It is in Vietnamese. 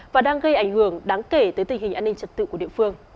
và đang gây ảnh hưởng đáng kể tới tình hình an ninh trật tự của địa phương